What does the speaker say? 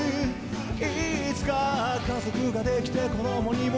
「いつか家族ができて子供にも」